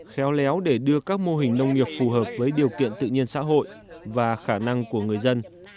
khéo léo để đưa các mô hình nông nghiệp phù hợp với điều kiện tự nhiên xã hội và khả năng của người dân